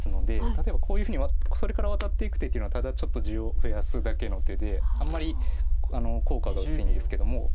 例えばこういうふうにそれからワタっていく手っていうのはただちょっと地を増やすだけの手であんまり効果が薄いんですけども。